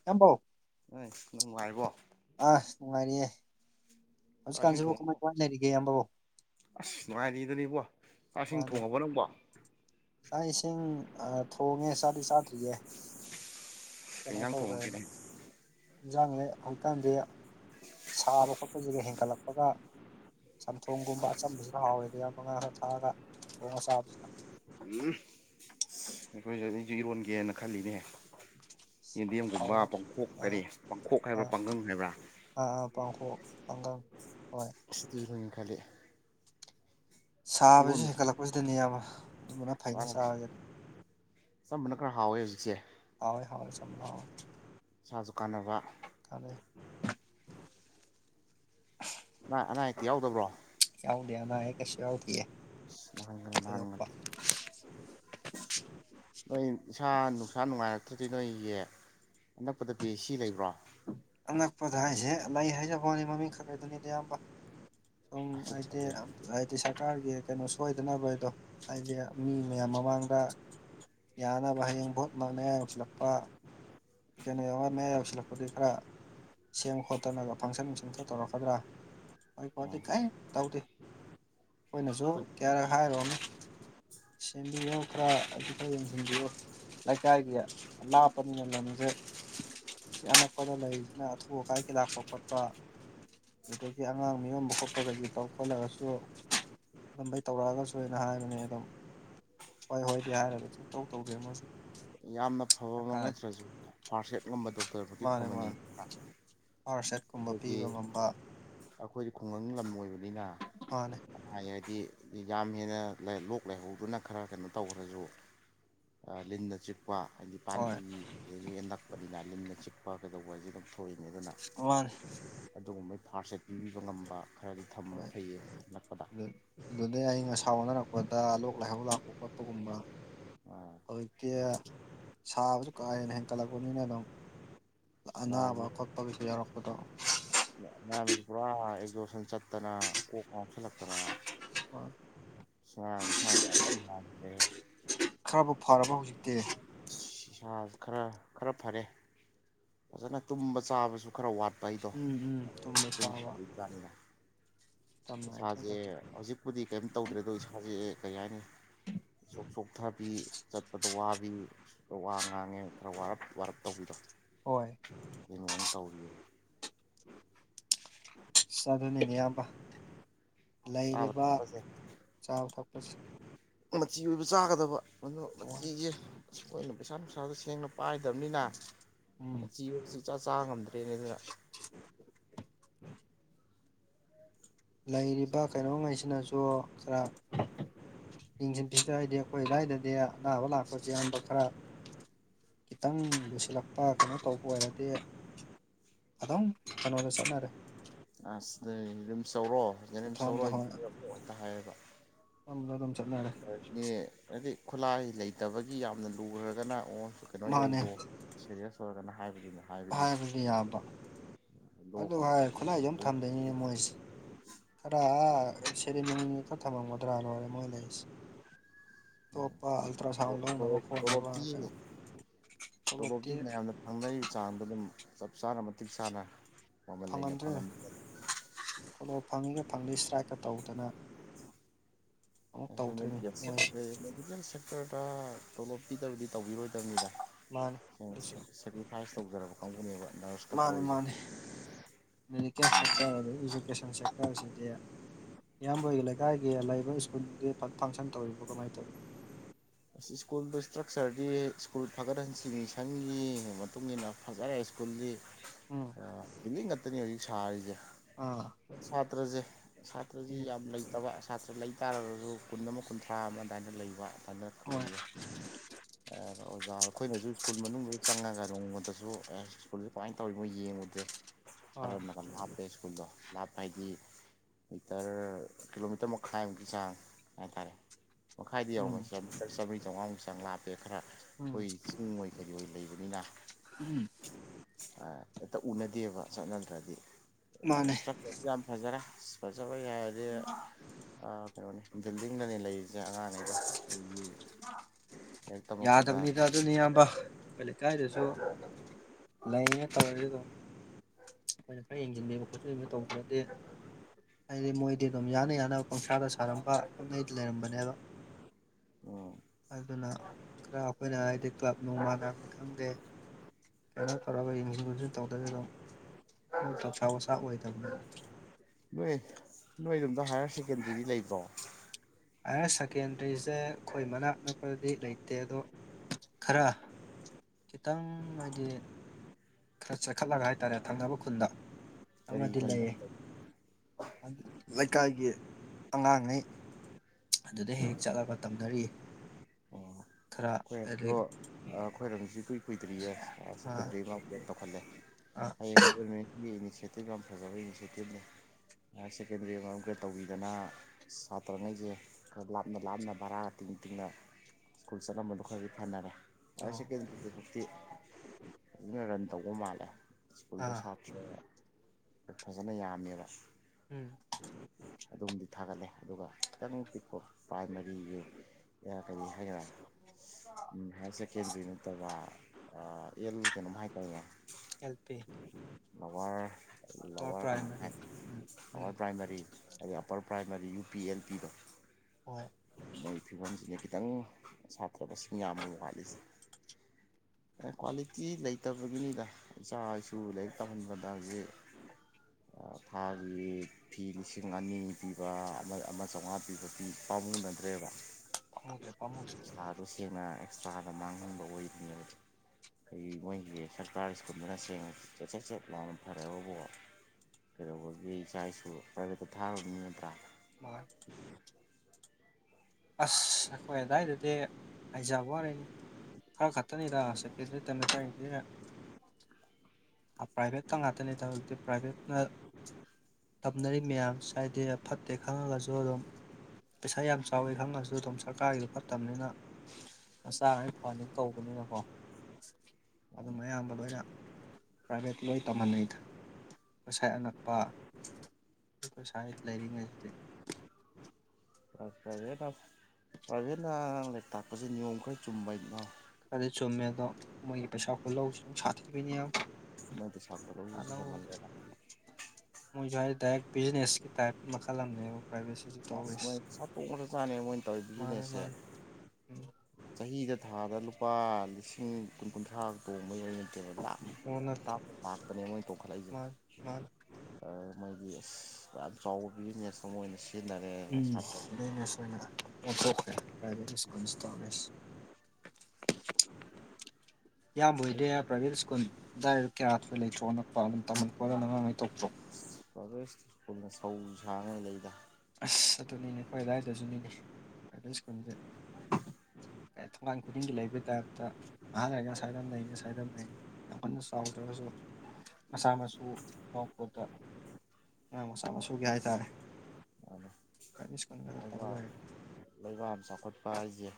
ꯏꯌꯥꯝꯕ ꯅꯣꯏ ꯅꯪ ꯅꯨꯡꯉꯥꯏꯔꯤꯕꯣ ꯑꯁ ꯅꯨꯡꯉꯥꯏꯔꯤꯌꯦ ꯆꯥꯛ ꯏꯁꯤꯡ ꯍꯧꯖꯤꯛꯀꯥꯟꯁꯤꯕꯨ ꯊꯣꯡꯉꯕꯣ ꯀꯃꯥꯏ ꯀꯃꯥꯏ ꯂꯩꯔꯤꯒꯦ ꯑꯌꯥꯝꯕꯕꯨ ꯅꯦꯕꯣ ꯆꯥꯛ ꯏꯁꯤꯡ ꯊꯣꯡꯉꯕꯣ ꯅꯪꯕꯣ ꯆꯥꯛ ꯏꯁꯤꯡ ꯊꯣꯡꯉꯦ ꯆꯥꯗꯤ ꯆꯥꯗ꯭ꯔꯤꯌꯦ ꯀꯩ ꯀꯩꯅꯣ ꯏꯟꯖꯥꯡ ꯇꯧꯈ꯭ꯔꯦꯅ ꯊꯣꯡꯉꯒꯦꯅꯦ ꯏꯟꯁꯥꯡꯗꯤ ꯍꯧꯖꯤꯛꯀꯥꯟꯗꯤ ꯁꯥꯕ ꯈꯣꯠꯄꯁꯤꯒ ꯍꯦꯟꯒꯠꯂꯥꯛꯄꯒ ꯆꯝꯊꯣꯡꯒꯨꯝꯕ ꯑꯆꯝꯕꯁꯤꯅ ꯍꯥꯎꯋꯦꯗ ꯏꯌꯥꯝꯕ ꯃꯉꯥ ꯈꯔ ꯊꯥꯛꯑꯒ ꯊꯣꯡꯉꯥ ꯆꯥꯕꯁꯤꯅꯥ ꯎꯝ ꯑꯩꯈꯣꯏꯁꯨ ꯑꯩꯁꯦ ꯏꯔꯣꯟꯒꯦꯅ ꯈꯜꯂꯤꯅꯦ ꯌꯦꯟꯗꯦꯝꯒꯨꯝꯕ ꯍꯥꯎꯋꯤ ꯄꯥꯡꯈꯣꯛ ꯑꯥ ꯀꯔꯤ ꯄꯥꯡꯈꯣꯛ ꯍꯥꯏꯕ꯭ꯔꯥ ꯑꯥ ꯄꯥꯡꯒꯪ ꯍꯥꯏꯕ꯭ꯔꯥ ꯑꯥ ꯑꯥ ꯄꯥꯡꯈꯣꯛ ꯄꯥꯡꯒꯪ ꯍꯣꯏ [unintelligible] ꯁꯥꯕꯁꯨ ꯏꯔꯣꯟꯕ ꯍꯦꯟꯀꯠꯂꯛꯄꯁꯤꯗꯅꯦ ꯏꯌꯥꯝꯕ ꯑꯗꯨꯝꯕꯅ ꯐꯩꯅꯤ ꯆꯥꯒꯦꯗꯤ ꯑꯆꯥꯝꯕꯅ ꯈꯔ ꯍꯥꯎꯋꯦ ꯍꯧꯖꯤꯛꯁꯦ ꯍꯥꯎꯋꯦ ꯍꯥꯎꯋꯦ ꯑꯆꯝꯕꯅ ꯍꯥꯎꯋꯦ ꯁꯥꯁꯨ ꯀꯥꯟꯅꯕ ꯀꯥꯟꯅꯩ ꯑꯅꯥ ꯑꯅꯥ ꯑꯌꯦꯛꯇꯤ ꯌꯥꯎꯗꯕ꯭ꯔꯣ ꯌꯥꯎꯗꯦ ꯑꯅꯥ ꯑꯌꯦꯛ ꯀꯩꯁꯨ ꯌꯥꯎꯗꯤꯌꯦ ꯅꯥꯍꯟꯒꯅꯨ ꯊꯣꯏꯗꯣꯛꯄ ꯅꯥꯍꯟꯒꯅꯨ [inaudible] ꯅꯣꯏ ꯏꯁꯥ ꯅꯨꯡꯁꯥ ꯅꯨꯡꯉꯥꯏꯔꯛꯇ꯭ꯔꯗꯤ ꯅꯣꯏꯒꯤ ꯑꯅꯛꯄꯗ ꯄꯤ ꯍꯩꯏꯁꯤ ꯂꯩꯕ꯭ꯔꯣ ꯑꯅꯥꯛꯄꯗ ꯍꯥꯏꯁꯦ ꯂꯩ ꯍꯥꯏꯖꯕꯋꯅꯤ ꯃꯃꯤꯡ ꯈꯪꯗꯦꯗꯨꯅꯤ ꯏꯌꯥꯝꯕ ꯁꯨꯝ ꯑꯁ ꯑꯗꯨꯗꯤ ꯑꯩꯗꯤ ꯑ ꯁꯔꯀꯥꯔꯒꯤ ꯀꯩꯅꯣ ꯁꯣꯏꯗꯅꯕꯩꯗꯣ ꯍꯥꯏꯗꯤ ꯃꯤ ꯃꯌꯥꯝ ꯃꯃꯥꯡꯗ ꯌꯥꯅꯕ ꯍꯌꯦꯡ ꯚꯣꯠ ꯃꯥ ꯃꯌꯥ ꯌꯧꯁꯤꯜꯂꯛꯄ ꯀꯩꯅꯣ ꯃꯌꯥ ꯌꯧꯁꯜꯂꯛꯄꯗꯤ ꯈꯔꯥ ꯁꯦꯝ ꯈꯣꯠꯇꯅꯒ ꯐꯪꯁꯟꯅꯨꯁꯟ ꯈꯔ ꯇꯧꯔꯛꯀꯗ꯭ꯔꯥ ꯑꯥ ꯍꯧꯖꯤꯛꯐꯥꯎꯗꯤ ꯀꯔꯩꯝ ꯇꯧꯗꯦ ꯑꯩꯈꯣꯏꯅꯁꯨ ꯑꯩꯈꯣꯏ ꯀꯌꯥꯔꯛ ꯍꯥꯏꯔꯨꯔꯝꯅꯤ ꯁꯦꯝꯕꯤꯌꯣ ꯈꯔ ꯑꯗꯨ ꯈꯔ ꯌꯦꯡꯁꯤꯟꯕꯤꯌꯣ ꯂꯩꯀꯥꯏꯒꯤ ꯂꯥꯞꯄꯅꯤꯅ ꯂꯝꯖꯦ ꯁꯤ ꯑꯅꯛꯄꯗ ꯂꯩ ꯅ ꯑꯊꯨ ꯑꯀꯥꯏꯒꯤ ꯂꯥꯛꯄ ꯈꯣꯠꯄ ꯑꯗꯨꯗꯒꯤ ꯑꯉꯥꯡ ꯃꯤꯔꯣꯟꯕ ꯈꯣꯠꯄꯗꯒꯤ ꯇꯧ ꯈꯣꯠꯂꯒꯁꯨ ꯑꯗꯨꯝꯕꯩ ꯇꯧꯔꯛꯑꯒꯁꯨꯅ ꯍꯥꯏꯕꯅꯦ ꯑꯗꯨꯝ ꯍꯣꯏ ꯍꯣꯏꯗꯤ ꯍꯥꯏꯔꯒ ꯁꯨꯡꯇꯧ ꯇꯧꯗꯦ ꯃꯣꯢꯁꯨ ꯌꯥꯝꯅ ꯐꯕꯃꯛ ꯅꯠꯇ꯭ꯔꯁꯨ ꯐꯥꯔꯁ ꯑꯦꯗ ꯉꯝꯕ ꯗꯣꯛꯇꯔꯕꯨꯗꯤ ꯃꯥꯅꯦ ꯃꯥꯅꯦ ꯐꯝꯍꯟꯅꯤꯡꯉꯤ ꯑꯩꯈꯣꯏꯒꯤ ꯐꯥꯔꯁ ꯁꯦꯠꯀꯨꯝꯕ ꯄꯤꯕ ꯉꯝꯕ ꯑꯩꯈꯣꯏꯗꯤ ꯈꯨꯡꯒꯪ ꯂꯝ ꯑꯣꯏꯕꯅꯤꯅ ꯃꯥꯅꯦ ꯍꯥꯏ ꯗꯤ ꯌꯥꯝ ꯍꯦꯟꯅ ꯂꯣꯛ ꯂꯩꯍꯧꯗꯨꯅ ꯈꯔ ꯀꯩꯅꯣ ꯇꯧꯈ꯭ꯔꯁꯨ ꯑ ꯂꯤꯟꯅ ꯆꯤꯛ ꯄ ꯍꯥꯏꯗꯤ ꯄꯥꯠ ꯍꯣꯏ ꯏꯗꯒꯤ ꯅꯛꯄꯅꯤꯅ ꯂꯤꯟꯅ ꯆꯤꯛꯄ ꯀꯩꯗꯧꯕ ꯍꯥꯏꯁꯦ ꯑꯗꯨꯝ ꯊꯣꯛꯏꯅꯤ ꯑꯗꯨꯅ ꯃꯥꯅꯦ ꯑꯗꯨꯒꯨꯝꯕꯩ ꯐꯥꯔꯁ ꯑꯦꯠ ꯄꯤꯕꯤꯕ ꯉꯝꯕ ꯈꯔꯗꯤ ꯊꯝꯕ ꯍꯣꯏ ꯐꯩꯌꯦ ꯑꯅꯛꯄꯗ ꯁꯥ ꯑꯣꯟꯅꯔꯛꯄꯗ ꯂꯣꯛ ꯂꯥꯏꯍꯧ ꯂꯥꯛꯄ ꯈꯣꯠꯄꯒꯨꯝꯕ ꯍꯧꯖꯤꯛꯇꯤ ꯁꯥꯕꯁꯨ ꯀꯥ ꯍꯦꯟꯅ ꯍꯦꯟꯀꯠꯂꯛꯄꯅꯤꯅ ꯑꯗꯨꯝ ꯑꯅꯥꯕ ꯈꯣꯠꯄ ꯀꯩꯀꯩ ꯌꯥꯎꯔꯛꯄꯗꯣ ꯅꯌꯥꯝꯕꯁꯤ ꯄꯨꯔꯥ ꯑꯦꯛꯖꯣꯔꯁꯟ ꯆꯠꯇꯅ ꯀꯣꯛ ꯉꯥꯎꯁꯤꯜꯂꯛꯇꯅ ꯍꯣꯏ ꯉꯔꯥꯡꯗꯤ ꯏꯁꯥꯁꯦ ꯌꯥꯝ ꯀꯟꯅꯕꯅꯦꯍꯦ ꯈꯔꯕꯨ ꯐꯔꯕ ꯍꯧꯖꯤꯛꯇꯤ ꯏꯁꯥꯁꯦ ꯈꯔ ꯈꯔ ꯐꯔꯦ ꯐꯖꯅ ꯇꯨꯝꯕ ꯆꯥꯕꯁꯨ ꯈꯔ ꯋꯥꯠꯄ ꯑꯩꯩꯗꯣ ꯎꯝ ꯎꯝ ꯇꯨꯝꯕ ꯑꯗꯨꯅ ꯆꯥꯕ ꯑꯣꯢꯕꯖꯥꯠꯅꯤꯅ ꯃꯇꯝ ꯏꯁꯥꯁꯦ ꯅꯥꯏꯗ꯭ꯔꯒꯗꯤ ꯍꯧꯖꯤꯛꯄꯨꯗꯤ ꯀꯔꯤꯝ ꯇꯧꯗ꯭ꯔꯦ ꯑꯗꯣ ꯏꯁꯥꯁꯦ ꯀꯩ ꯍꯥꯏꯅꯤ ꯏꯆꯣꯛ ꯆꯣꯛꯊꯕꯤ ꯆꯠꯄꯗ ꯈꯔ ꯋꯥꯕꯤ ꯈꯔ ꯋꯥꯉꯥꯡꯉꯦ ꯈꯔ ꯋꯥꯔꯞ ꯋꯥꯔꯞ ꯇꯧꯕꯤꯗꯣ ꯍꯣꯏ ꯀꯩꯅꯣ ꯑꯃ ꯇꯧꯔꯤꯌꯦ ꯑꯁ ꯑꯗꯨꯅꯤꯅꯦ ꯏꯌꯥꯝꯕ ꯆꯥꯕ ꯂꯩꯔꯤꯕ ꯊꯛꯄꯁꯦ ꯆꯥꯕ ꯊꯛꯄꯁꯦ ꯃꯆꯤ ꯑꯣꯏꯕ ꯆꯥꯒꯗꯕ ꯑꯗꯨ ꯃꯆꯤꯁꯦ ꯑꯁ ꯈꯣꯢꯅ ꯄꯩꯁꯥ ꯅꯨꯡꯁ ꯄꯩꯁꯥꯗꯣ ꯁꯦꯡꯅ ꯄꯥꯏꯗꯕꯅꯤꯅ ꯎꯝ ꯃꯆꯤ ꯑꯣꯢꯕ ꯆꯤꯟꯖꯥꯛ ꯆꯥꯕ ꯉꯝꯗ꯭ꯔꯦꯅꯦ ꯑꯗꯨꯅ ꯎꯝ [inaudible] ꯂꯩꯔꯤꯕ ꯀꯩꯅꯣꯉꯩꯁꯤꯅꯁꯨ ꯈꯔ ꯌꯦꯡꯖꯤꯟꯕꯤꯗꯕ ꯑꯩꯈꯣꯏ ꯑꯗꯥꯏꯗꯗꯤ ꯑꯅꯥꯕ ꯂꯥꯛꯄꯁꯦ ꯏꯌꯥꯝꯕ ꯈꯔ ꯈꯤꯇꯪ ꯂꯨꯁꯤꯜꯂꯛꯄ ꯀꯩꯅꯣ ꯇꯧꯕ ꯑꯗꯨꯕꯨ ꯑꯣꯏꯔꯗꯤ ꯑꯗꯨꯝ ꯀꯩꯅꯣꯗ ꯆꯠꯅꯔꯦ ꯑꯁ ꯗꯨꯅꯦ ꯔꯤꯝꯁ ꯌꯧꯔꯣ ꯖꯦꯅꯤꯝꯁ ꯌꯧꯔꯣ ꯆꯠꯊꯣꯝꯗ ꯍꯣꯏ ꯍꯦꯛꯇ ꯍꯥꯏꯌꯦꯕ ꯑꯗꯣꯝꯗ ꯑꯗꯨꯝ ꯆꯠꯅꯔꯦ ꯑꯗꯨꯗꯤ ꯈꯨꯠꯂꯥꯏ ꯂꯩꯇꯕꯒꯤ ꯌꯥꯝꯅ ꯂꯨꯈ꯭ꯔꯒꯅ ꯑꯣ ꯀꯩꯅꯣ ꯃꯥꯅꯦ ꯌꯧꯔꯣ ꯁꯦꯔꯤꯌꯁ ꯑꯣꯏꯔꯒꯅ ꯍꯥꯏ ꯍꯥꯏꯕꯗꯤ ꯌꯥꯕ ꯂꯣꯛ ꯑꯗꯨ ꯑꯃ ꯇꯧ ꯍꯥꯏꯔꯦ ꯈꯨꯠꯂꯥꯏꯁꯨ ꯑꯃꯨꯛ ꯊꯝꯗꯣꯏꯅꯤꯅꯦ ꯃꯣꯏꯁꯦ ꯈꯔ ꯑꯥ ꯁꯦꯔꯤꯟ ꯅꯨꯡꯔꯤꯟꯒ ꯈꯔ ꯊꯃꯝꯒꯗ꯭ꯔ ꯂꯣꯢꯔꯦ ꯃꯣꯏ ꯂꯩꯔꯤꯁꯦ ꯑꯇꯣꯞꯄ ꯑꯜꯇ꯭ꯔ ꯁꯥꯎꯟ ꯂꯧꯅꯕ ꯇꯣꯂꯣꯞ ꯈꯣꯠꯅꯕ ꯑꯥ ꯇꯣꯂꯣꯞꯇꯤ ꯀꯩꯅꯣ ꯇꯣꯂꯣꯞꯇꯤ ꯃꯌꯥꯝꯅ ꯐꯪꯅꯔꯤꯕ ꯆꯥꯡꯗꯣ ꯑꯗꯨꯝ ꯆꯞ ꯆꯥꯅ ꯃꯇꯤꯛ ꯆꯥꯅ ꯃꯃꯜ ꯂꯩꯅ ꯐꯪꯉꯝꯗꯣꯏꯅꯦ ꯐꯪꯉꯝꯃꯤ ꯇꯣꯂꯣꯞ ꯐꯪꯉꯤꯒ ꯐꯪꯗꯦꯒ ꯁꯇ꯭ꯔꯥꯏꯛꯀ ꯇꯧꯗꯅ ꯅꯥ ꯃꯦꯗꯤꯀꯦꯜ ꯁꯦꯛꯇꯔꯗ ꯇꯣꯂꯣꯞ ꯄꯤꯗꯧꯔꯤ ꯇꯧꯕꯤꯔꯣꯏꯗꯕꯅꯤꯗ ꯃꯥꯅꯦ ꯑꯗꯨꯁꯨ ꯁꯦꯀ꯭ꯔꯤꯐꯥꯏꯁ ꯇꯧꯖꯔꯕ ꯀꯥꯡꯕꯨꯅꯦꯕ ꯅ꯭ꯔꯁꯀ ꯃꯥꯅꯤ ꯇꯧꯔꯤꯁꯦ ꯃꯥꯅꯤ ꯃꯦꯗꯤꯀꯦꯜ ꯌꯥꯝꯅ ꯁꯦꯛꯇꯔ ꯑꯗꯨ ꯏꯖꯨꯀꯦꯁꯟ ꯁꯦꯛꯇꯔꯁꯤꯗꯤ ꯏꯌꯥꯝꯕꯒꯤ ꯂꯩꯀꯥꯏꯒꯤ ꯂꯩꯕ ꯁ꯭ꯀꯨꯜꯗꯨꯗꯤ ꯐꯪꯁꯟ ꯇꯧꯔꯤꯕꯣ ꯀꯃꯥꯏ ꯇꯧꯔꯤꯒꯦ ꯁ꯭ꯀꯨꯜꯗꯣ ꯁꯇ꯭ꯔꯛꯆꯔꯗꯤ ꯁ꯭ꯀꯨꯜ ꯐꯒꯠꯍꯟꯁꯤ ꯃꯤꯁꯟꯒꯤ ꯑꯗꯨꯒꯤ ꯃꯇꯨꯡ ꯏꯟꯅ ꯐꯖꯔꯦ ꯁ꯭ꯀꯨꯜꯗꯤ ꯎꯝ ꯑꯥ ꯕꯤꯜꯗꯤꯡ ꯉꯥꯛꯇꯅꯤ ꯍꯧꯖꯤꯛ ꯁꯥꯔꯤꯁꯦ ꯑꯥ ꯁꯇ꯭ꯔꯥꯁꯦ ꯁꯥꯇ꯭ꯔꯁꯦ ꯎꯝ ꯌꯥꯝ ꯂꯩꯇꯕ ꯁꯥꯇ꯭ꯔ ꯂꯩꯇꯥꯔꯒꯁꯨ ꯀꯨꯟ ꯑꯃ ꯀꯨꯟꯊ꯭ꯔꯥ ꯑꯃ ꯑꯗꯥꯏꯅ ꯂꯩꯕ ꯍꯣꯏ ꯂꯩꯌꯦ ꯑꯣꯖꯥ ꯑꯩꯈꯣꯏꯅꯁꯨ ꯁ꯭ꯀꯨꯜ ꯃꯅꯨꯡꯗꯨ ꯆꯪꯉꯒ ꯅꯣꯡꯃꯇꯁꯨ ꯁ꯭ꯀꯨꯜꯁꯦ ꯀꯃꯥꯏꯅ ꯇꯧꯔꯤꯅꯣ ꯌꯦꯡꯉꯨꯗꯦ ꯍꯣꯏ ꯈꯔꯅꯒ ꯂꯥꯞꯄꯦ ꯁꯀꯨꯜꯗꯣ ꯂꯥꯞꯄ ꯍꯥꯏꯗꯤ ꯃꯤꯇꯔ ꯀꯤꯂꯣꯃꯤꯇꯔ ꯃꯈꯥꯏꯃꯨꯛꯀꯤ ꯆꯥꯡ ꯍꯥꯏꯇꯥꯔꯦ ꯃꯈꯥꯏꯗꯤ ꯎꯝ ꯌꯧꯔꯝꯃꯣꯏ ꯃꯤꯇꯔ ꯆꯥꯃꯔꯤ ꯆꯝꯉꯥꯃꯨꯛ ꯆꯥꯡ ꯂꯥꯞꯄꯦ ꯈꯔ ꯎꯝ ꯑꯩꯈꯣꯏ ꯆꯤꯡꯑꯣꯏ ꯀꯔꯤ ꯑꯣꯏ ꯂꯩꯕꯅꯤꯅ ꯎꯝ ꯑꯥ ꯍꯦꯛꯇ ꯎꯅꯗꯦꯕ ꯆꯠꯅꯗ꯭ꯔꯗꯤ ꯑꯗꯨ ꯃꯥꯅꯦ ꯁꯇ꯭ꯔꯛꯆꯔꯗꯤ ꯌꯥꯝ ꯐꯖꯔꯦ ꯐꯖꯔꯦ [inaudible] ꯀꯩꯅꯣꯅꯤ ꯕꯤꯜꯗꯤꯡꯗꯅꯦ ꯂꯩꯔꯤꯁꯦ ꯑꯉꯥꯡꯉꯩꯗꯣ ꯑꯩꯒꯤ ꯂꯥꯏꯔꯤꯛ [inaudible] ꯇꯝꯃꯛꯄꯗ ꯌꯥꯗꯝꯅꯤꯗ ꯑꯗꯨꯅꯤ ꯑꯌꯥꯝꯕ ꯑꯩꯈꯣꯏ ꯂꯩꯀꯥꯏꯗꯁꯨ ꯂꯥꯏꯅꯤꯅ ꯇꯧꯔꯗꯤ ꯑꯗꯨꯝ ꯑꯩꯈꯣꯏꯅ ꯈꯔ ꯌꯦꯡꯁꯤꯟꯕꯤꯕ ꯈꯣꯠꯄꯤꯕ ꯇꯧꯇ꯭ꯔꯥꯗꯤ ꯍꯥꯏꯗꯤ ꯃꯣꯏꯗꯤ ꯑꯗꯨꯝ ꯌꯥꯅ ꯌꯥꯅꯕ ꯄꯪꯁꯥꯗ ꯁꯥꯔꯝꯕ ꯄꯪꯂꯩꯗ ꯂꯩꯔꯝꯕꯅꯦꯕ ꯎꯝ ꯑꯗꯨꯅ ꯈꯔ ꯑꯩꯈꯣꯏꯅ ꯍꯥꯏꯗꯤ ꯀ꯭ꯂꯕ ꯅꯨꯡ ꯃꯥꯟꯅ ꯈꯪꯗꯦ ꯈꯔ ꯐꯔꯒ ꯌꯦꯡꯖꯤꯟ ꯈꯣꯠꯖꯤꯟ ꯇꯧꯗ꯭ꯔꯗꯤ ꯑꯗꯨꯝ ꯊꯧꯁꯥ ꯋꯥꯁꯥ ꯑꯣꯏꯗꯕꯅ ꯅꯣꯏ ꯅꯣꯏꯗꯣꯝꯗ ꯍꯥꯏꯌꯔ ꯁꯦꯀꯦꯟꯗꯔꯤꯗꯤ ꯂꯩꯕ꯭ꯔꯣ ꯍꯥꯌꯔ ꯁꯀꯦꯟꯗꯔꯤꯁꯦ ꯑꯩꯈꯣꯏ ꯃꯅꯥꯛ ꯅꯛꯄꯗꯗꯤ ꯂꯩꯇꯦ ꯑꯗꯣ ꯈꯔ ꯈꯤꯇꯪ ꯍꯥꯏꯗꯤ ꯈꯔ ꯆꯠꯈꯠꯂꯒ ꯍꯥꯏꯇꯥꯔꯦ ꯊꯪꯅꯕ ꯈꯨꯟꯗ ꯀꯔꯤ ꯑꯃꯗꯤ ꯈꯟꯕ ꯂꯩꯌꯦ ꯂꯩꯀꯥꯏꯒꯤ ꯑꯉꯥꯡꯉꯩ ꯑꯗꯨꯗ ꯍꯦꯛ ꯆꯠꯂꯒ ꯇꯝꯅꯔꯤꯌꯦ ꯑꯩꯈꯣꯏ ꯑꯇꯨ ꯑꯥ ꯑꯩꯈꯣꯏꯔꯣꯝꯖꯨ ꯏꯀꯨꯏ ꯀꯨꯏꯗꯔꯤꯌꯦ ꯍꯥꯌꯔ ꯑꯥ ꯁꯦꯀꯦꯟꯗꯔꯤ ꯑꯞꯒꯔꯦꯠ ꯇꯧꯈꯠꯂꯦ [unintelligible] [unintelligible] ꯑꯥ ꯍꯥꯌꯔ ꯁꯦꯀꯦꯟꯗꯔꯤ ꯑꯃ ꯑꯞꯒꯔꯦꯠ ꯇꯧꯕꯤꯗꯅ ꯁꯥꯇ꯭ꯔꯉꯩꯖꯦ ꯈꯔ ꯂꯥꯞꯅ ꯂꯥꯞꯅ ꯚꯔꯥ ꯇꯤꯡ ꯇꯤꯡꯅ ꯁ꯭ꯀꯨꯜ [inaudible] ꯆꯠꯂꯝꯕꯗꯣ ꯈꯔꯗꯤ ꯐꯅꯔꯦ ꯍꯥꯏꯔ ꯑꯣ ꯁꯦꯀꯦꯟꯗꯔꯤ [unintelligible] ꯇꯤ ꯐꯖꯅ ꯔꯟ ꯇꯧꯕ ꯃꯥꯜꯂꯦ ꯁ꯭ꯀꯨꯜꯗꯣ ꯑꯥ ꯁꯥꯇꯔꯥ ꯐꯖꯅ ꯌꯥꯝꯃꯦꯕ ꯎꯝ ꯑꯗꯨꯝꯗꯤ ꯊꯥꯒꯠꯂꯦ ꯑꯗꯨꯒ ꯈꯤꯇꯪ ꯄꯤꯛꯄ ꯄꯥꯏ ꯃꯔꯤꯒꯤ ꯑꯥ ꯀꯔꯤ ꯍꯥꯏꯒ꯭ꯔꯥ ꯎꯝ ꯍꯥꯌꯔ ꯁꯦꯀꯦꯟꯗꯔꯤ ꯅꯠꯇꯕ ꯑꯥ ꯑꯦꯜ ꯀꯩꯅꯣꯝ ꯍꯥꯏꯇꯥꯏꯅꯦ L P lower or lower ꯀꯩꯅꯣꯝ ꯄ꯭ꯔꯥꯏꯃꯥꯔꯤ ꯍꯥꯏꯝ ꯎꯝ ꯎꯝ ꯂꯋꯥꯔ ꯄ꯭ꯔꯥꯏꯃꯥꯔꯤ ꯑꯗꯩ upper primary U P L ꯄꯤꯗꯣ ꯍꯣꯏ ꯃꯣꯏ ꯐꯤꯕꯝꯁꯤꯅꯦ ꯈꯤꯇꯪ ꯁꯥꯐ ꯇ꯭ꯔꯕꯁꯤꯡ ꯌꯥꯝ ꯋꯥꯠꯂꯤꯁꯦ ꯑꯦ ꯀ꯭ꯋꯥꯂꯤꯇꯤ ꯂꯩꯇꯕꯒꯤꯅꯤꯗꯥ ꯏꯆꯥ ꯏ ꯁꯨ ꯂꯥꯏꯔꯤꯛ ꯇꯝꯍꯟꯕꯗ ꯍꯧꯖꯤꯛ [inaudible] ꯊꯥꯒꯤ ꯐꯤ ꯂꯤꯁꯤꯡ ꯑꯅꯤ ꯄꯤꯕ ꯑꯃ ꯑꯃ ꯆꯧꯉꯥ ꯄꯤꯕ ꯐꯤ ꯄꯥꯝꯃꯨꯅꯗ꯭ꯔꯦꯕ ꯄꯥꯝꯃꯨꯗ꯭ꯔꯦ ꯄꯥꯝꯃꯨꯗ꯭ꯔꯦ ꯄꯩꯁꯥꯗꯣ ꯁꯦꯡꯅ ꯑꯦꯛꯁꯇ꯭ꯔꯥꯗ ꯃꯥꯡꯍꯟꯕ ꯑꯣꯏꯅꯦꯕꯗꯣ ꯀꯩ ꯃꯣꯏꯒꯤ ꯁꯔꯀꯥꯔ ꯁ꯭ꯀꯨꯜꯗꯅ ꯁꯦꯡꯅ ꯆꯦꯠ ꯆꯦꯠ ꯆꯦꯠ ꯂꯥꯎꯅ ꯐꯔꯕꯕꯣ ꯀꯩꯗꯧꯕꯒꯤ ꯏꯆꯥ ꯏꯁꯨ ꯄ꯭ꯔꯥꯏꯚꯦꯠꯇ ꯊꯥꯔꯨꯒꯅꯤ ꯅꯠꯇ꯭ꯔꯥ ꯑꯁ ꯑꯩꯈꯣꯏ ꯑꯗꯥꯏꯗꯗꯤ ꯍꯥꯏꯖꯕ ꯋꯥꯔꯤꯅꯤ ꯈꯔ ꯈꯠꯇꯅꯤꯗ [unintelligible] ꯑ ꯄ꯭ꯔꯥꯏꯚꯦꯠꯇ ꯉꯥꯛꯇꯅꯤꯗ ꯍꯧꯖꯤꯛꯇꯤ ꯄ꯭ꯔꯥꯏꯚꯦꯠꯅ ꯇꯝꯅꯔꯤ ꯃꯌꯥꯝꯁꯨ ꯍꯥꯏꯗꯤ ꯐꯠꯇꯦ ꯈꯪꯉꯒꯁꯨ ꯑꯗꯨꯝ ꯄꯩꯁꯥ ꯌꯥꯝ ꯆꯥꯎꯋꯤ ꯈꯪꯉꯁꯨ ꯑꯗꯨꯝ ꯁꯔꯀꯥꯔꯒꯤꯗ ꯐꯠꯇꯕꯅꯤꯅ ꯃꯆꯥꯒꯩ ꯐꯥꯍꯅꯤꯡ ꯀꯧꯕꯅꯤꯅꯀꯣ ꯑꯗꯨꯝ ꯑꯌꯥꯝꯕ ꯂꯣꯏꯅ ꯄ꯭ꯔꯥꯏꯚꯦꯠꯇ ꯂꯣꯏ ꯇꯝꯍꯟꯅꯩꯗ ꯈꯣꯏꯁꯥꯏ ꯑꯅꯛꯄ ꯈꯣꯏ ꯁꯥꯏ ꯂꯩꯔꯤꯉꯩꯁꯤꯗꯤ ꯄ꯭ꯔꯥꯏꯚꯦꯠꯅ ꯄ꯭ꯔꯥꯏꯚꯦꯠꯅ ꯑꯉꯥꯡ ꯂꯥꯏꯔꯤꯛ ꯇꯥꯛꯄꯁꯦ ꯅꯤꯌꯣꯝ ꯈꯔ ꯆꯨꯝꯕ ꯏꯅꯥꯎ ꯈꯔ ꯆꯨꯝꯃꯦ ꯑꯗꯣ ꯃꯣꯏꯒꯤ ꯄꯩꯁꯥ ꯈꯨꯂꯧ ꯁꯤ ꯁꯥꯊꯤꯕꯤꯅꯦ ꯌꯥꯝ ꯃꯣꯏ ꯄꯩꯁꯥ ꯈꯨꯠꯂꯧꯁꯤꯗꯤ ꯍꯦꯟꯃꯜꯂꯦꯗ ꯃꯣꯢꯖꯥꯢ ꯗꯥꯢꯔꯦꯛ ꯕꯤꯖꯤꯅꯦꯁ ꯀꯤ ꯇꯥꯢꯞ ꯃꯈꯜ ꯑꯝꯅꯦꯕꯣ ꯑꯁ ꯃꯣꯏ ꯄꯩꯁꯥ ꯇꯣꯡꯈ꯭ꯔꯁꯅꯦ ꯃꯣꯏꯅ ꯇꯧꯔꯤ ꯃꯥꯅꯦ ꯕꯤꯖꯤꯅꯦꯁꯁꯦ ꯃꯥꯅꯦ ꯎꯝ ꯆꯍꯤꯗ ꯊꯥꯗ ꯂꯨꯄꯥ ꯂꯤꯁꯤꯡ ꯀꯨꯟ ꯀꯨꯟꯊ꯭ꯔꯥꯛꯇꯣ ꯇꯦꯕ ꯂꯥꯛ ꯑꯣ ꯅꯠꯇꯦ ꯂꯥꯛ ꯄꯥꯛꯇꯅꯦ ꯃꯣꯏ ꯇꯣꯡꯈꯠꯂꯛꯏꯁꯦ ꯃꯥꯅꯦ ꯃꯥꯅꯦ ꯃꯣꯏꯒꯤ ꯑꯁ ꯄꯨꯔꯥ ꯆꯥꯎꯕ ꯕꯤꯖꯤꯅꯦꯁ ꯑꯃ ꯑꯣꯏꯅ ꯁꯤ ꯎꯝ ꯕꯤꯖꯁꯅꯦꯁ ꯑꯣꯢꯅ ꯑꯣꯟꯊꯣꯛꯈ꯭ꯔꯦꯏꯚꯦ ꯄ꯭ꯔꯥꯢꯚꯦꯠ ꯏꯌꯥꯝꯕ ꯑꯩ ꯑꯣꯏꯗꯦ ꯄ꯭ꯔꯥꯏꯚꯦꯠ ꯀꯨꯟ ꯗꯥꯏꯔ ꯀꯌꯥꯊꯣꯏ ꯂꯩꯇ꯭ꯔꯣ ꯅꯛꯄ ꯑꯗꯨꯝ ꯇꯝꯍꯟ ꯈꯣꯠꯍꯟꯅꯉꯥꯢ ꯇꯧꯗ꯭ꯔꯣ ꯄ꯭ꯔꯥꯏꯚꯦꯠ ꯁ꯭ꯀꯨꯜꯅ ꯁꯧ ꯁꯥꯡꯉꯥꯏ ꯂꯩꯗ ꯑꯁ ꯑꯗꯨ ꯑꯗꯨꯅꯤꯅꯦ ꯑꯩꯈꯣꯏ ꯑꯗꯨꯗꯥꯢꯗꯁꯨꯅꯤꯅꯦ ꯄ꯭ꯔꯥꯏꯕꯦꯠ ꯁ꯭ꯀꯨꯜꯁꯦ ꯊꯣꯡꯒꯥꯡ ꯈꯨꯗꯤꯡꯒꯤ ꯂꯩꯕ ꯇꯥꯏꯞꯇ ꯉꯍꯥ ꯂꯩꯔꯒ ꯑꯁꯥꯢꯝꯗ ꯂꯩꯅꯤ ꯑꯁ꯭ꯥꯏꯝꯗ ꯂꯩꯅꯤ ꯌꯥꯝ ꯀꯟꯅ ꯆꯥꯎꯗ꯭ꯔ ꯒꯁꯨ ꯃꯆꯥ ꯃꯁꯨ ꯄꯣꯛꯄꯣꯗ ꯑꯥ ꯃꯆꯥ ꯃꯁꯨꯒꯤ ꯍꯥꯏꯇꯥꯔꯦ ꯑꯗꯨꯅ ꯄ꯭ꯔꯥꯢꯕꯦꯠ ꯁ꯭ꯀꯨꯜꯗ ꯗ ꯇꯧ ꯂꯩꯔꯦ [unintelligible] ꯆꯈꯠꯄ ꯍꯥꯢꯖꯦ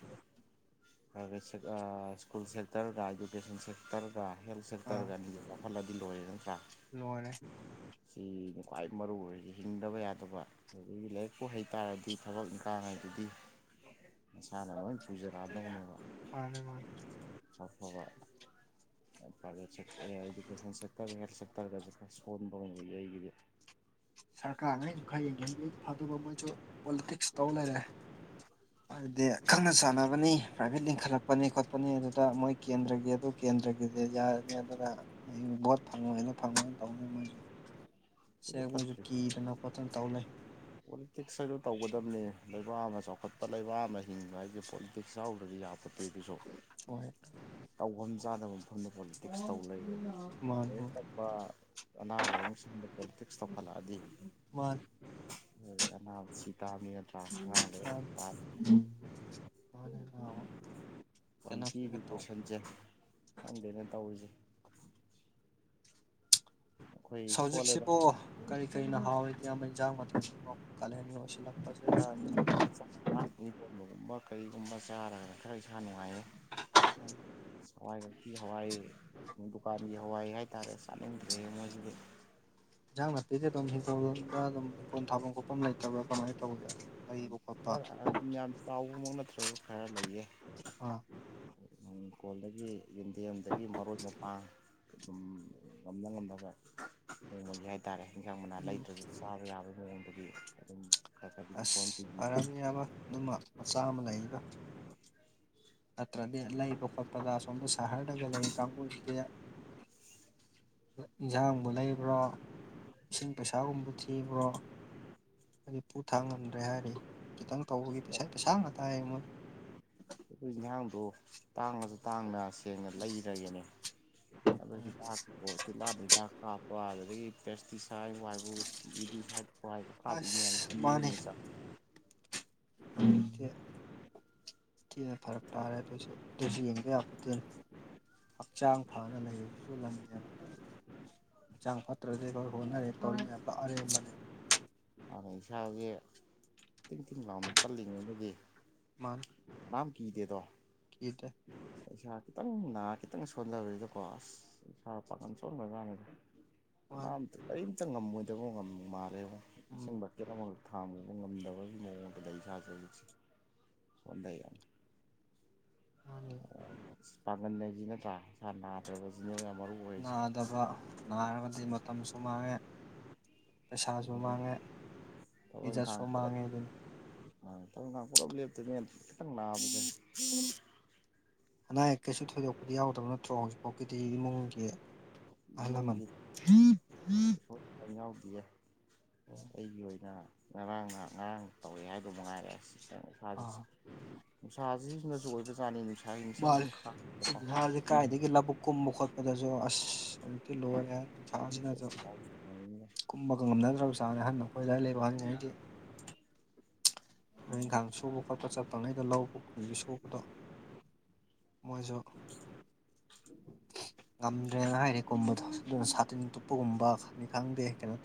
ꯄ꯭ꯔꯥꯢꯕꯦꯠ ꯁꯦꯛ ꯑ ꯁꯀꯨꯜ ꯁꯦꯛꯇꯔꯒ ꯑꯦꯖꯨꯀꯦꯁꯟ ꯁꯦꯛꯇꯔ ꯍꯦꯜ ꯑꯥ ꯁꯦꯛꯇꯔꯒꯅꯤ ꯆꯥꯎꯈꯠꯂꯗꯤ ꯂꯣꯢꯔꯦꯗꯅ ꯂꯣꯏꯔꯦ ꯁꯤꯅꯤ ꯈ꯭ꯋꯥꯏ ꯃꯔꯨ ꯑꯣꯏꯔꯤꯁꯤ ꯍꯤꯡꯗꯕ ꯌꯥꯗꯕ ꯑꯗꯒꯤ ꯂꯥꯏꯔꯤꯛꯄꯨ ꯍꯩꯇꯥꯥꯔꯗꯤ ꯊꯕꯛꯅꯤ ꯀꯥꯡꯉꯩꯗꯨꯗꯤ ꯃꯁꯥꯅ ꯂꯣꯏ ꯄꯨꯖꯔꯛꯑꯗꯧꯅꯦꯕ ꯃꯥꯅꯦ ꯃꯥꯅꯦ ꯑꯐꯕ ꯄ꯭ꯔꯥꯢꯕꯦꯠ ꯁꯦꯛ ꯏꯗꯨꯀꯦꯁꯟ ꯁꯦꯛꯇꯔ ꯍꯦꯜ ꯁꯦꯛꯇꯔꯒꯖꯦ ꯈꯔ ꯁꯣꯟꯕ ꯑꯣꯏꯅ ꯎꯢ ꯑꯩꯒꯤꯗꯤ ꯁꯔꯀꯥꯔꯅ ꯑꯩꯁꯨ ꯈꯔ ꯌꯦꯡꯁꯤꯟꯕꯤ ꯑꯗꯨ ꯐꯗꯕ ꯃꯣꯏꯁꯨ ꯄꯣꯂꯤꯇꯤꯛꯁ ꯇꯧ ꯂꯩꯔꯦ ꯍꯥꯏꯗꯤ ꯈꯪꯅ ꯆꯥꯟꯅꯕꯅꯤ ꯄ꯭ꯔꯥꯏꯚꯦꯠ ꯂꯤꯡꯈꯠꯂꯛꯄꯅꯤ ꯈꯣꯠꯄꯅꯤ ꯑꯗꯨꯗ ꯃꯣꯏ ꯀꯦꯟꯗ꯭ꯔꯒꯤ ꯑꯗꯨ ꯀꯦꯟꯗ꯭ꯔꯒꯤꯗꯤ ꯌꯥꯔꯅꯤ ꯑꯗꯨꯅ ꯍꯌꯦꯡ ꯚꯣꯠ ꯐꯪꯉꯣꯏꯅ ꯐꯪꯉꯣꯏꯅ ꯇꯧꯅꯤ ꯃꯣꯏꯁꯨ ꯁꯦ ꯃꯣꯏꯁꯨ ꯐꯠꯇ꯭ꯔꯦ ꯀꯤꯗꯅ ꯈꯣꯠꯇꯅ ꯇꯧ ꯂꯩ ꯄꯣꯂꯤꯇꯤꯛꯁ ꯍꯥꯏꯗꯣ ꯇꯧꯒꯗꯕꯅꯦ ꯂꯩꯕꯥꯛ ꯑꯃ ꯆꯥꯎꯈꯠꯄ ꯂꯩꯕꯥꯛ ꯑꯃ ꯍꯤꯡꯕ ꯍꯥꯏꯗꯤ ꯄꯣꯂꯤꯇꯤꯛꯁ ꯌꯥꯎꯕ ꯗꯤ ꯌꯥꯄꯠꯇꯦ ꯑꯗꯨꯁꯨ ꯍꯣꯏ ꯇꯧꯕꯝ ꯆꯥꯗꯕ ꯁꯣꯝꯗ ꯄꯣꯂꯤꯇꯤꯛꯁ ꯇꯧ ꯂꯩꯕ ꯃꯥꯅꯤ ꯑꯖꯤꯛ ꯂꯛꯄ ꯑꯅꯥ ꯂꯥꯏꯌꯦꯡꯁꯤꯡꯗ ꯄꯣꯂꯤꯇꯤꯛꯁ ꯆꯥꯎꯈꯠꯂꯛꯑꯗꯤ ꯃꯥꯅꯤ ꯑꯅꯥꯕꯁꯤ ꯇꯥꯕꯅꯤ ꯅꯠꯇ꯭ꯔꯥ ꯑꯉꯥꯡꯗꯨ ꯃꯥꯅꯤ ꯃꯥꯅꯤ ꯀ꯭ꯋꯥꯂꯤꯇꯤ ꯀꯩꯅꯣ ꯇꯧ ꯏꯗꯨꯀꯦꯁꯟꯁꯦ ꯈꯪꯗꯦꯅꯦ ꯇꯧꯔꯤꯁꯦ ꯑꯩꯈꯣꯏ ꯁꯣꯜꯂꯦꯗ ꯍꯧꯖꯤꯛꯁꯤꯕꯣ ꯀꯔꯤ ꯀꯔꯤꯅ ꯍꯥꯎꯔꯤ ꯢꯌꯥꯝꯕ ꯏꯟꯖꯥꯡ ꯃꯊꯦꯟꯁꯤꯕꯣ ꯀꯥꯂꯦꯟꯒꯤ ꯑꯣꯏꯁꯤꯜꯂꯛ [unintelligible] ꯀꯔꯤꯒꯨꯝꯕ ꯆꯥꯔꯒ ꯈꯔ ꯏꯁꯥ ꯅꯨꯡꯉꯥꯏꯌꯦ [inaudible] ꯍꯋꯥꯏꯈꯛꯀꯤ ꯍꯋꯥꯏ ꯗꯨꯀꯥꯟꯒꯤ ꯍꯋꯥꯏ ꯍꯥꯏꯇꯥꯔꯦ ꯆꯥꯅꯤꯡꯗ꯭ꯔꯦ ꯃꯣꯏꯁꯤꯡꯗ ꯏꯟꯖꯥꯡ ꯅꯥꯄꯤꯗꯤ ꯑꯗꯨꯝ ꯍꯤꯡꯈꯣꯜꯗ ꯑꯗꯨꯝ ꯍꯤꯡꯈꯣꯜ ꯊꯥꯐꯝ ꯈꯣꯠꯐꯝ ꯂꯩꯇꯕ꯭ꯔꯥ ꯀꯃꯥꯏꯅ ꯇꯧꯒꯦ ꯂꯩꯕ ꯈꯣꯠꯄ ꯈꯔ ꯑꯗꯨꯝ ꯌꯥꯝ ꯆꯥꯎꯕꯃꯛ ꯅꯠꯇ꯭ꯔꯁꯨ ꯈꯔ ꯂꯩꯌꯦ ꯑꯥ ꯍꯤꯡꯈꯣꯜꯗꯒꯤ ꯌꯦꯟꯗꯦꯝꯗꯒꯤ ꯃꯔꯣꯏ ꯃꯄꯥꯡ ꯑꯗꯨꯝ ꯉꯝꯅ ꯉꯝꯅꯕ ꯅꯣꯡꯃꯒꯤ ꯍꯥꯏꯇꯥꯔꯦ ꯍꯦꯟꯖꯥꯡ ꯃꯅꯥ ꯎꯝ ꯂꯩꯗ꯭ꯔꯁꯨ ꯆꯥꯕ ꯌꯥꯕꯒꯤ ꯃꯑꯣꯡꯗꯨꯗꯤ ꯑꯗꯨꯝ ꯈꯔꯈꯔꯗꯤ ꯁꯣꯟ ꯐꯥꯔꯝꯅꯤ ꯑꯃ ꯑꯗꯨꯃ ꯃꯆꯥ ꯑꯃ ꯂꯩꯔꯤꯗꯣ ꯅꯠꯇ꯭ꯔꯗꯤ ꯂꯩꯕ ꯈꯣꯠꯄꯗ ꯑꯁꯣꯝꯗ ꯁꯍꯔꯗꯒ ꯂꯩꯕ ꯀꯥꯡꯕꯨꯁꯤꯗꯤ ꯏꯟꯖꯥꯡꯕꯨ ꯂꯩꯕ꯭ꯔꯥ ꯏꯁꯤꯡ ꯄꯩꯁꯥꯒꯨꯝꯕ ꯊꯤꯕ꯭ꯔꯣ ꯍꯥꯏꯗꯤ ꯄꯨꯨ ꯊꯥꯡ ꯉꯝꯗ꯭ꯔꯦ ꯍꯥꯏꯔꯤ ꯈꯤꯇꯪ ꯇꯧꯕꯒꯤ ꯄꯩꯁ ꯄꯩꯁꯥ ꯉꯥꯛꯇ ꯍꯥꯏ ꯃꯣꯏ ꯑꯩꯈꯣꯏ ꯍꯦꯟꯖꯥꯡꯗꯣ ꯇꯥꯡꯉꯁꯨ ꯇꯥꯡꯅ ꯁꯦꯡꯅ ꯂꯩꯔꯒꯦꯅꯦ ꯑꯗꯣ ꯍꯤꯗꯥꯛꯇꯣ ꯇꯤꯜꯍꯥꯠ ꯍꯤꯗꯥꯛ ꯍꯥꯞ ꯋꯥ ꯑꯗꯨꯗꯒꯤ ꯄꯦꯁꯇꯤꯁꯥꯏꯠꯕꯨ ꯍꯥꯏꯕ ꯋꯤꯁꯇꯤ ꯍꯥꯏꯕ꯭ꯔꯣ ꯍꯥꯔꯕꯨ ꯍꯥꯞꯄꯤ ꯃꯌꯥꯝꯁꯦ ꯑꯁ ꯀꯤꯌꯦꯅ ꯆꯥꯕ ꯀꯦ ꯊꯤꯅ ꯐꯔꯛ ꯇꯥꯔꯦ ꯑꯗꯨꯁꯨ ꯑꯗꯨꯁꯨ ꯌꯦꯡꯉꯦ ꯌꯥꯄꯣꯠꯇꯦ ꯍꯛꯆꯥꯡ ꯐꯅ ꯂꯩꯕꯁꯤꯁꯨ ꯂꯟꯅꯦꯕ ꯍꯛꯆꯥꯡ ꯐꯠꯇ꯭ꯔꯗꯤ ꯑꯩꯈꯣꯏ ꯍꯣꯠꯅꯔꯤ ꯇꯧꯔꯤ ꯃꯌꯥꯝꯗꯣ ꯑꯔꯦꯝꯕꯅꯦ ꯃꯍꯧꯁꯥꯒꯤ ꯇꯤꯡ ꯇꯤꯡ ꯂꯥꯎꯅ ꯀꯜꯂꯤꯉꯩꯒꯤꯗꯤ ꯃꯥꯅꯦ ꯀꯅꯥꯝ ꯀꯤꯗꯦꯗꯣ ꯀꯤꯗꯦ ꯏꯁꯥ ꯈꯤꯇꯪ ꯅꯥꯔ ꯈꯤꯇꯪ ꯁꯣꯟꯗꯕꯁꯤꯗꯀꯣ ꯑꯁ ꯏꯁꯥ ꯄꯥꯡꯒꯟ ꯁꯣꯟꯒ꯭ꯔꯖꯥꯠꯅꯤꯗ ꯃꯥꯅ ꯀꯅꯥꯝꯇ ꯀꯔꯤꯝꯇ ꯉꯝꯃꯣꯏꯗꯕ ꯉꯝ ꯃꯥꯜꯂꯦꯕ ꯎꯝ ꯏꯁꯤꯡ ꯕꯥꯇꯤꯜ ꯑꯃꯈꯛ ꯊꯥꯡꯕꯁꯦ ꯉꯝꯗꯕꯒꯤ ꯃꯑꯣꯡꯗ ꯂꯩ ꯏꯁꯥꯥꯁꯦ ꯍꯨꯖꯤꯛꯁꯦ ꯁꯣꯟꯗꯩ ꯌꯥꯝ ꯃꯥꯅꯤ ꯑꯁ ꯄꯥꯡꯒꯟ ꯍꯥꯏꯁꯤ ꯅꯠꯇ꯭ꯔꯥ ꯏꯁꯥ ꯅꯥꯗ꯭ꯔꯒꯁꯨ ꯅꯥꯗꯕ ꯅꯥꯔꯒꯗꯤ ꯃꯇꯝꯁꯨ ꯃꯥꯡꯉꯦ ꯄꯩꯁꯥꯁꯨ ꯑꯗꯨꯗꯨꯅ ꯃꯥꯡꯉꯦ ꯏꯖꯠꯁꯨ ꯃꯥꯡꯉꯦ ꯑꯗꯨꯅꯤ ꯎꯝ ꯊꯕꯛ ꯏꯟꯈꯥꯡ ꯄꯨꯂꯞ ꯂꯦꯞꯇꯣꯏꯅꯦ ꯈꯤꯇꯪ ꯅꯥꯕꯗꯗꯤ ꯑꯅꯥ ꯑꯌꯦꯛ ꯀꯩꯁꯨ ꯊꯣꯏꯗꯣꯛꯄꯗꯤ ꯌꯥꯎꯗꯕ ꯅꯠꯇ꯭ꯔꯣ ꯍꯧꯖꯤꯛꯐꯥꯎꯒꯤꯗꯤ ꯏꯃꯨꯡꯒꯤ ꯑꯍꯜ ꯂꯃꯟ ꯏꯃꯨꯡꯒꯤ ꯀꯩꯝ ꯌꯥꯎꯗꯤꯌꯦ ꯑꯩꯒꯤ ꯑꯣꯏꯅ ꯉꯔꯥꯡꯅ ꯉꯔꯥꯡ ꯇꯧꯔꯛꯑꯦ ꯍꯥꯏꯗꯣ ꯃꯉꯥꯏꯔꯦ ꯑ ꯏꯁꯥꯁꯦ ꯁꯨꯝ [inaudible] ꯅꯨꯡꯁꯥꯁꯦ ꯃꯥꯅꯦ ꯈꯥꯡꯕꯀꯣ ꯏꯁꯥꯁꯦ ꯀꯥꯏꯗꯒꯤ ꯂꯕꯨꯛ ꯀꯨꯝꯕ ꯈꯣꯠꯄꯗꯁꯨ ꯑꯗꯣ ꯑꯁ ꯍꯧꯖꯤꯛꯇꯤ ꯂꯣꯏꯔꯦ ꯍꯥꯏ ꯅꯨꯡꯁꯥꯁꯤꯅꯁꯨ ꯁꯦꯁ ꯂꯥꯎ ꯁꯥꯟꯅꯅꯤꯡꯉꯦ ꯀꯨꯝꯕꯒ ꯉꯝꯅꯗ꯭ꯔꯕ ꯖꯥꯠꯅꯤ ꯑꯍꯟ ꯑꯩꯈꯣꯏ ꯑꯗꯥꯏꯗ ꯂꯩꯕ ꯑꯍꯟꯉꯩꯗꯤ ꯊꯕꯛ ꯏꯟꯈꯥꯡ ꯁꯨꯕ ꯈꯣꯠꯄ ꯆꯠꯄꯉꯩꯗ ꯂꯧꯕ ꯎꯕ ꯁꯨꯕꯗꯣ ꯃꯣꯏꯁꯨ ꯉꯝꯗ꯭ꯔꯦꯅ ꯍꯥꯏꯔꯤ ꯀꯨꯝꯕꯗꯣ ꯑꯗꯨꯅ ꯁꯥꯇꯤꯟ ꯇꯨꯞꯄ ꯒꯨꯝꯕꯅꯤ ꯈꯪꯗꯦ ꯀꯩꯅꯣ ꯇꯧꯔ